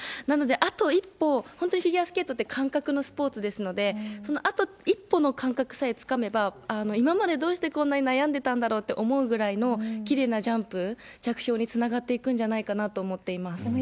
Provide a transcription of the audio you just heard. なので、あと一歩、本当にフィギュアスケートって感覚のスポーツですので、そのあと一歩の感覚さえつかめば、今までどうしてこんなに悩んでたんだろうって思うぐらいのきれいなジャンプ、着氷につながっていくんじゃないかなと思っています。